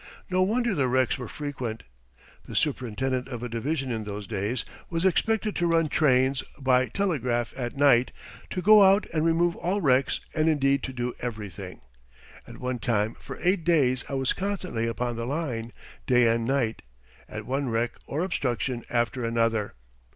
No wonder the wrecks were frequent. The superintendent of a division in those days was expected to run trains by telegraph at night, to go out and remove all wrecks, and indeed to do everything. At one time for eight days I was constantly upon the line, day and night, at one wreck or obstruction after another.